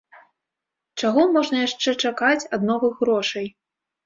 Чаго можна яшчэ чакаць ад новых грошай?